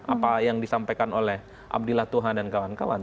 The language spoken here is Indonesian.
apa yang disampaikan oleh abdillah tuhan dan kawan kawan